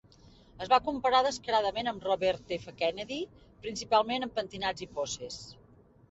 Es va comparar descaradament amb Robert F. Kennedy, principalment amb pentinats i poses.